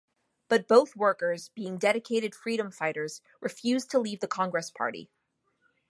But both workers, being dedicated freedom fighters, refused to leave the Congress Party.